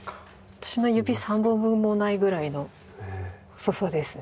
私の指３本分もないぐらいの細さですね。